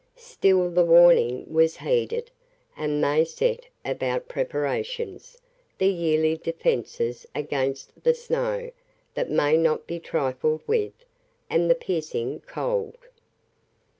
Still the warning was heeded, and they set about preparations; the yearly defences against the snow that may not be trifled with, and the piercing cold.